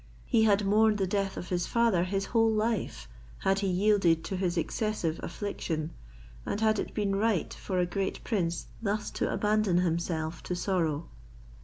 He had mourned the death of his father his whole life, had he yielded to his excessive affliction, and had it been right for a great prince thus to abandon himself to sorrow.